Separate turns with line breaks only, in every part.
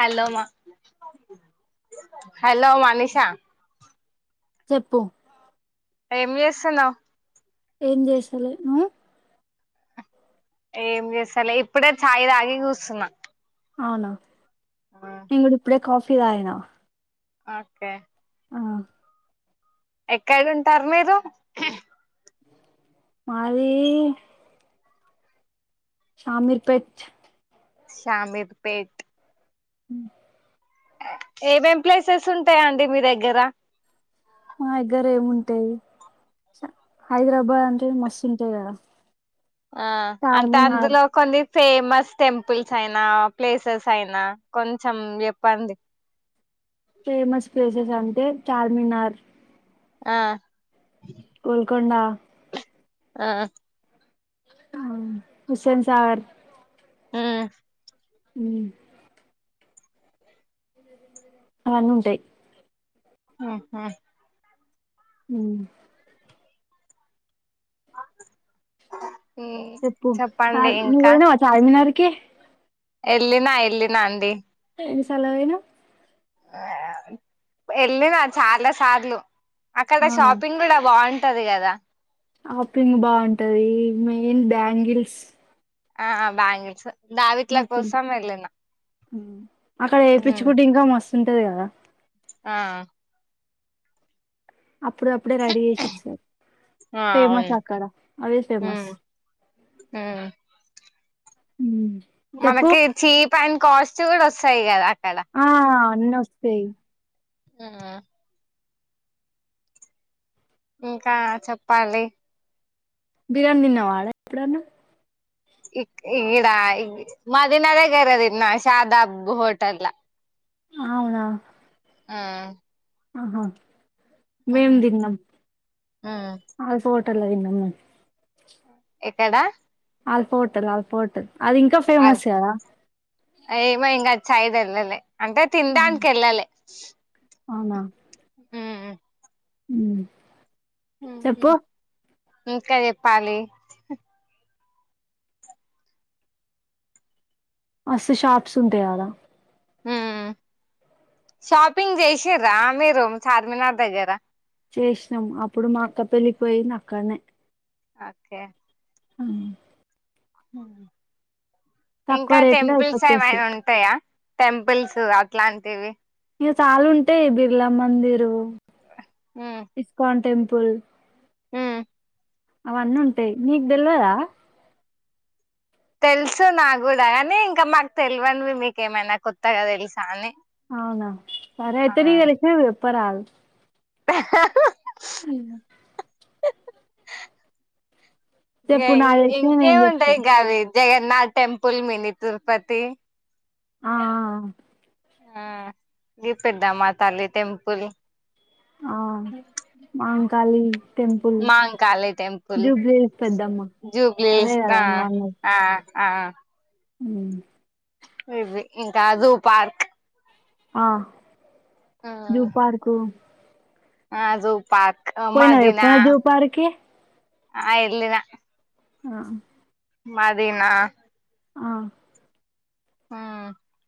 Hello మా hello Manisha
చెప్పు
ఎం చేస్తున్నావ్.
ఏం చేస్తలేను
ఏం చేస్తాలే ఇప్పుడే ఛాయ్ తాగి కుసున్నా
అవునా నేను కూడా ఇప్పుడే కాఫీ తాగిన
ఓకే
ఆ
ఎక్కడ ఉంటారు మీరు.
మాది శామీర్ పేట్
శామీర్ పేట్
ఉ
ఏమేం ప్లేసెస్ ఉంటాయండి మీ దగ్గర.
మా దగ్గర ఏముంటాయి హైదరాబాద్ అంటే మస్తు ఉంటాయి కదా
ఆహ్ అంటే
చార్మినార్
అందులో కొన్ని ఫేమస్ టెంపుల్స్ అయినా ప్లేసెస్ అయినా కొంచెం చెప్పండి.
ఫేమస్ ప్లేస్ ప్లేసెస్ అంటే చార్మినార్
ఆహ్
గోల్కొండ
ఆ
హుస్సెన్ సాగర్
ఊ
ఊ అవన్నీ ఉంటాయి.
ఆహ
ఉ
మ్మ్
చెప్పు చా
చెప్పండి
నువ్ పోయినావా చార్మినారికి కి
ఏళ్లిన ఏళ్ళిన అండి
ఎన్ని సార్లు పోయనవ్
ఆ వెళ్ళిన చాలా సార్లు అక్కడ
అవునా
షాపింగ్ కూడా బాగుం ఉంటది కదా
షాపింగ్ బాగుంటది మెయిన్ బ్యాంగిల్స్
ఆ బ్యాంగల్స్
అక్కడ
ఉమ్,
వేపిచ్చుకుంటే ఇంకా మస్తు ఉంటది కదా
ఆ
అప్పుదప్పుడే రెడి చేసి ఇచ్చార్,
ఆ అవును
ఫేమస్ అక్కడ అవే
ఉమ్,
ఫేమస్.
ఉమ్.
మ్మ్
మనకి చీ ప్ అన్ కాస్ట్యూ కూడా వస్తాయి కదా క్కడ
అన్నోస్తయ్
ఆ ఇంకా చెప్పాలి
బిర్యానీ తిన్నావా ఆడ ఎప్పుడన్న
ఇ ఈ గీడాయి మదీనా నగర్ లా తిన్న శాదాబ్ హోటల్ లా
అవునా
ఆ
ఆహా మేము దీన్నాం
ఉమ్.
ఆ పట్ట విన్నమ్మ
ఎక్కడా
ఆల్ఫోటల్ అల్ఫోటల్ అది ఇంకా ఫేమస్ కదా
ఎమో ఇంకా చాయ్ వెళ్లలే అంటే
అవునా
తిండానికి వెళ్ళాలి
అవునా మ్
అ ఇంకా చెప్పాలి
అస్స షాప్స్ ఉంటాయి అడా
మ్ షాపింగ్ చేసారా మీరు చార్మినార్ దగ్గరా
చేసినాం అప్పుడు మా అక్క పెళ్ళిపోయినా అక్కనే
ఓకే
ఆ
ఆ
తక్కువ
ఇంకా
రేట్లో
టెంపుల్స్
అయిపోచ్చేసి
ఏమైనా ఉంటాయా టెంపుల్స్ ఇట్లాంటివి
ఇకా చాలు ఉంటాయి బిర్లా మందిరు ఇస్కాన్ టెం ప్పుల్
మ్
అవన్నీ ఉంటాయి నీకు తెల్వదా
తెలుసు నా కూడా కానీ ఇంకా మాకు తెలివనివి మీకేమైనా కొత్తగా తెలుసా అని
అవునా సరే
ఆ
అయితే నగలక్ష పరల్ అ
ఇ
చెప్పు నాకు తెలిసినవి నేను
ఇంకేమి
చెప్తా
ఉంటాయి గావి జగన్నాథ టెంపుల్ మిని తిరుపతి
ఆ
ఆ ఇ పెద్దామా తల్లి టెంపుల్
ఆ మ కాలి
మాంకాాల టెంపుల్
పెద్దమ్మ అదే
జూబ్లీల్స్
కదా ఉ
ఇది ఇంకా అదు పార్క్
ఆ జూ పార్ార్కు
ఆ జో పా
పోయినా ఎప్పునా జ పార్క్ కి
ఆ ఎల్లిన
ఆ
మదినా
ఆ
హ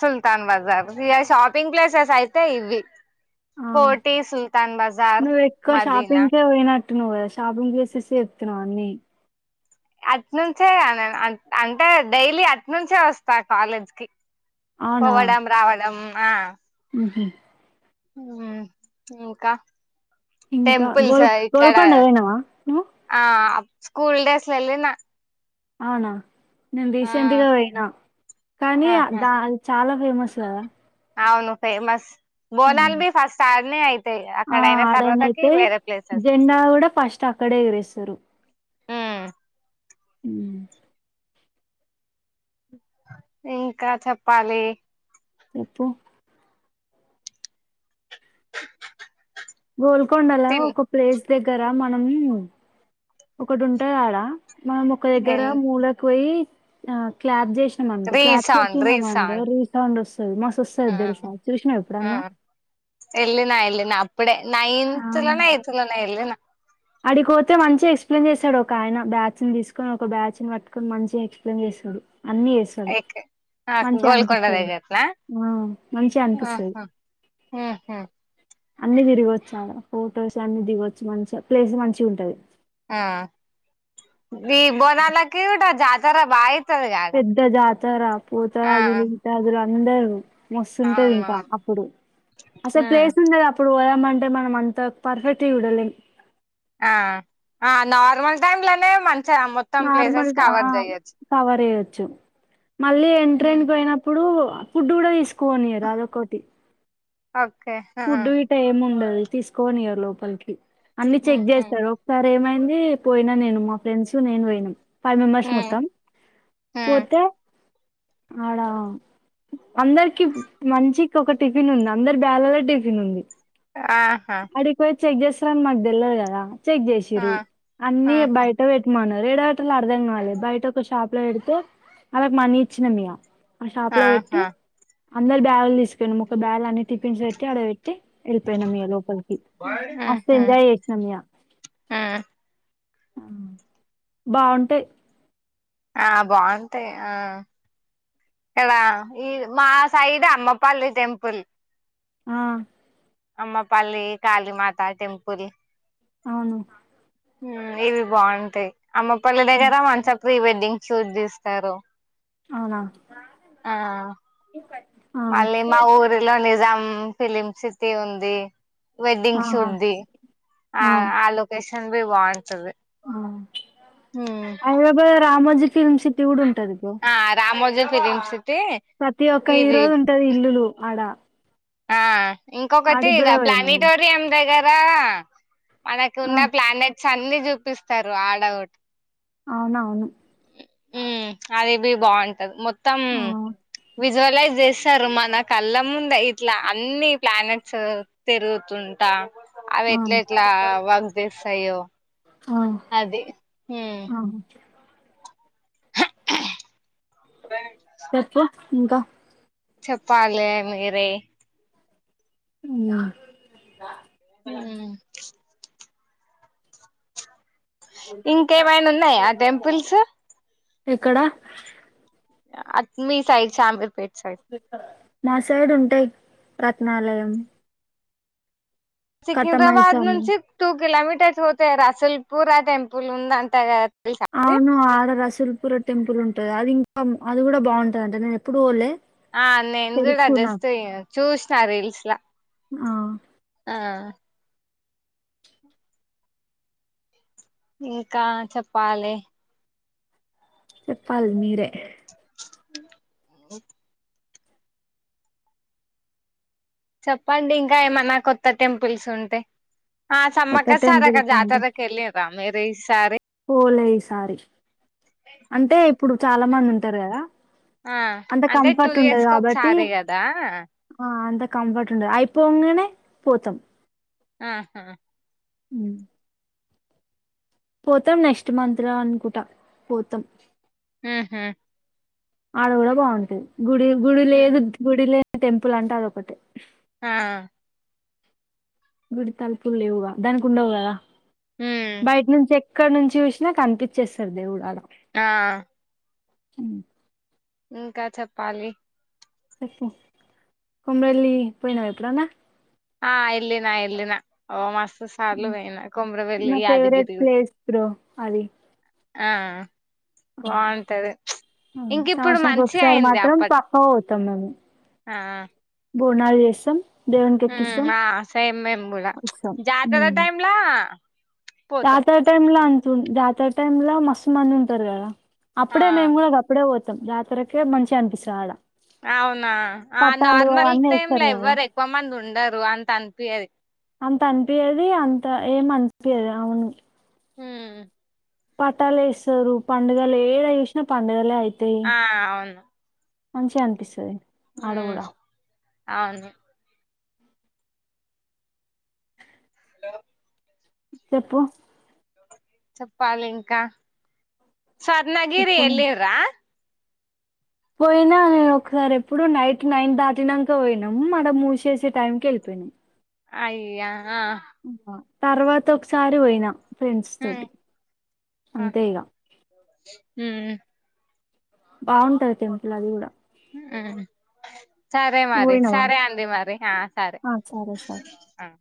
సుల్తాన్ బజార్ ఇ షాపిింగ్ ప్లేసెస్ అయితే ఇవి
ఆ.
కోటి సల్తాన్ బజార్ మదినా
నువ్వా షాపింగ్ ప్లేసెస్ చెప్తున్నావ్ అని
అటు నుంచే అంటే డైలీ అటు నుంచే వస్తా కాలేజ్ కి పోవడం రావడం ఆ
ఉహా [inaudible]
హ్మ్మ్ ఇంకా
ఇంకా
టెంపుల్స్
గోల్
ఇక్కడ
గోల్కొండ పోయినవా నువ్
ఆ స్కూల్ డేస్లాల ఎల్లిన
ఆనా నేను రీసెంట్ గా పోయినా కానీ
ఆహా
దా అది చాలా ఫేమస్
అవును ఫేమస్
ఆ
బోనాల్ బ ఫాస్ట్ ఆ అ అయితే
ఆ ఆడనయితే
ప్లేసెస్
జెండా కూడా ఫస్ట్ అక్కడే ఎరేస్తారు
ఉమ్,
హ
ఇంకా చెప్పాలి
చెపు గోల్కొండలా
తిన్
ఒక ప్లేస్ దగ్గర మనం ఒకటి ఉంటాది ఆడా మనం ఒక దగ్గర మూలకి పోయి ఆ క్లాబ్ జె [unintelligible] క్లాప్స్ కొట్టి
రీసౌండ్ రీసౌండ్
[unintelligible] రీసౌండ్ వస్తుంది
ఆ ఆ ఎలినా ఎలినా అప్ పుడే నైన్త్లో నా ఎయిత్ లో న వెళ్లిన
అడిపోతే మంచిగా ఎక్స్ప్లెయిన్ చేస్తాడు, ఒక ఆయన బ్యాచ్ ని తీసుకొని ఒక బ్యాచ్ని పట్టుకొని మంచిగా ఎక్స్ప్లెయిన్ చేస్తాడు అన్నీ ఎస్తది
ఎక్ ఆ
మంచిగా
గోల్కొండ
అనిపిస్తుంది
దగ్గరనా
ఆ మంచిగా అనిపిస్తాది
ఆహా ఉహు
అన్ని తిరగవచ్చు ఆడ ఫొటోస్ అన్ని దిగొచ్చు మంచి ప్లేస్ మంచి ఉంటది
ఆ బి బోనాలకిడి వ జతార బా అయితది కాడ
పెద్ద జాతార
ఆ
పోతారాజులు ఇంకా అ అందరు మస్తుంటది ఇంకా
అవునవును
అప్పుడు అసలు
ఉమ్,
ప్లేస్ ఉంద అప్పుడు అంటే మనం అంత పర్ఫెక్ట్ చూడలేం
ఆ నార్మల్ టైమ్ లోనే మ
నార్మల్ అ కవర్ అయ్యొచ్చు మళ్ళీ
హ్మ్
ఎంట్రైన్కి పోయినప్పుడు ఫుడ్డు కూడా తీస్ కోని రాజకోటి
ఓకే ఆ
ఫుడ్ విట ఏం ఉండది తీసుకోనివ లోపలికి అన్ని చెక్
ఉహు
చేస్తారు ఒక ఏమైంది పోయినా నేను మా ఫ్రెండ్స్ నేను పోయినాం ఫైవ్ మెంబర్స్
ఉ
మొత్తం
ఉ
పోతే ఆడా అందరికి మంచికి ఒక టిఫిన్ ఉంది, అందరి బ్యాలాల. టిఫిన్ ఉంది
ఆహా
అడికి పోయి చెక్ చేసర్ అన్ మాగ్ దెలద్ కదా చెక్
ఆ
చేసిరూ అన్ని
ఆహా
బయట్ పెట్మను రెడు గటలు అర్ధం కావాలి. బయట ఒక షాప్ లో పెడితే వాళ్ళకి మనీ ఇచ్చిన మీయా ఆ షాప్ లో పెట్టి
ఆహా
అందరు బ్యాగు్ తీసుకండి ము ఒక బ్యాగు్ అన్ని టిఫిన్స్. [unintelligible] అ వెళ్ళిపోయినా ఇ్య లోపలికి
ఉహు
మస్త ఎంజాయ్ చేసినాం ఇ్య
ఉ
బాగుంటాయి
ఆ బాగుంటాయి ఆ ఇక్కడ ఈ మా సైడ్ అమ్మపల్లి టెంపుల్.
ఆ
అమ్మపల్లి కాళీ మాత టెంపుల్
అవును
ఉ ఇవి బాగుంటాయి అమ్మపల్లి దగ్గర మంచ ప్రీ వెడ్డింగ్ షూట్ తీస్తారు.
అవునా
ఆ
ఆ
మళ్ళీ మా ఊరిలో నిజం ఫిలిమ్ సిటీ ఉంది. వ వెడింగ్
ఆహా
సూట్ది ఆ ఆ లోకషన్ భే వాయింటది
ఐబాబో రామజ ఫిల్మ్ సిటీ కూడా ఉంటది ఇకు
పెరు
ప్రతి ఒక్క హీరో ఉంటది ఇల్లులు. అడ
ఆ ఇంకొకటి ఇద
పోయినాము
ప్లానిటోరియం దగ్గర. ఆ మనకు
ఆ,
ఉన్న ప్లానెట్ చన్ని చూపిస్తారు ఆడ ఒకటి
అవునవును
ఉ అది బి బాగుంటది మొత్తం
ఆ,
మొత్తం విజువలైజ్ చేసి సారు మన కళ్ళ ముందయి ఇట్లా అన్ని ప్లానెట్స్ తిరుగుతుంటా. ఆవి
ఆ,
ఎట్లే ఎట్లా వర్క్ చేస్తాయో
ఆ,
అదే ఉ
ఆ.
హే హా
చెప్పు ఇంకా
చేప్పాలే మీరే
మ్మ్
ఉమ్ ఇంకేవైనా ఉన్నయా టెంపుల్స్
ఎక్కడా
అట్ మీ సైడ్ సామీర్ పేట్
రెక్క మా సైడ్ ఉంటయ్ రత్నాలయం
సికింద్రాబాద్
కట్టమైసామి
నుంచి టు కిలోమీటర్స్ పోతే రసిల్పురా టెంపుల్ ఉందంట గా
అవును ఆడ రసూల్పుర టెంపుల్ ఉంటు అది ఇంకా అది గుడా బాగుంటది అంట నేను ఎప్పుడు పోలే
ఆ నేను గుడా
తెలుసు నాకు
జస్ట్ ఇగ చూసిన రీల్స్ లా
అవున్
ఆ ఇంకా చెప్పాలి
చెప్పలి మీరే
చెప్పండి ఇంక ఏమన్నా కొత్త టెంపుల్స్ ఉంటే ఆ
కొత్త
సమ్మక్క
టెంపుల్
సారక్క
అంటే
జాతర కెల్లిర్ర మీరూ ఈ సారి
పోలే ఈసారి అంటే ఇప్పుడు చాలా మంది ఉంటారు కదా
ఆ
అంత
అంటే టూ
కంఫర్ట్ ఉండదు
ఇయర్స్ కి
కాబట్టి
ఒకసారి కదా
ఆ అంత కంఫర్ట్ ఉండద్ అయిపోంగనే పోతాం
ఆహా
మ్ పోతాం నెక్స్ట్ మంత్ ల అనుకుంటా పోతాం
ఊ హూ
ఆడ కూడా బాగుంటది గుడి గుడి
ఉమ్.
లేదు గుడిలే టెంపుల్ అంటే అదొకటి
ఆ
గుడి తలుపులు లేవుగా దానికి ఉండవు కదా.
ఉమ్
బైట్ నుంచే ఎక్ ఎక్కడ నుంచి చూసినా కనిపించేస్తాడు దేవుడు ఆడ.
ఆహ్
ఉమ్
ఇంకా చెప్పాలి.
కొమరెల్లి పోయినవ ఎపుడన్న.
ఆహ్ ఎల్లినా ఎల్లినా ఓ మాస్త్.
నా ఫేవరెట్ ప్లేస్ బ్రో అది.
ఆహ్
ఉమ్
ఇంక ఇప్పుడు
సంవత్సరానికి
మంచిగా
ఒకసారి మాత్రం పక్క పోతాం. ఖమ్మం.
ఆహ్
బోనాల్ చేస్తం.
ఉమ్ ఆహ్ సేమ్ మేము కూడ ప్చ్
వస్తాం
జాతర
ఉమ్.
టైమ్ల.
జాతర టైమ్ లో అంత్. జాతర టైమ్ లో మస్తు మంది ఉంటారు కదా.
ఆ
అప్పుడే మేము కూడ అప్పుడే పోతం. జాతరకే మంచిగా అనిపిస్తది ఆడ.
అవునా ఆహ్
పట్టాలు
నార్మల్
అవన్నీ
టైం
వేస్తారు
లే
కదా
ఎవ్వరు ఎక్కువ మంది ఉండరు. అంత అనిపియదు.
అంత అనిపియ్యది అంత ఏం అనిపియదు అవును.
ఉమ్
పటాలేస్తారు పండుగలు ఏడ చేసిన పండగలే ఆయి.
ఆహ్ అవును.
మంచిగా అనిపిస్తది.
ఉమ్ అవును. హలో
చెప్పు.
చెప్పాలి ఇంకా. స్వర్ణగిరి
చెప్పు
ఎల్లింర్రా.
పోయినా ఒకసారి ఎప్పుడొ నైట్ నైన్ దాటినంక పోయినాం మల్ల మూసేసే టైంకి వెళ్ళిపోయినాం.
అయ్యా ఆహ్.
తర్వాత ఒకసారి పోయినాం.
ఉమ్
అంతే
ఆహా
ఇగ
ఉమ్మ్.
బాగుంటది టెంపుల్ అది కూడా.
ఉమ్ సరే
నువ్వు
మరి
పోయినావా
సరే అండి మరి హా సరే
ఆ సరే సరే
హ్